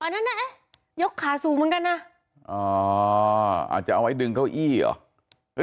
แต่นี่ยกขาสูงเหมือนกันนะอ่าอาจจะเอาไว้ดึงเก้าอี้อ่ะ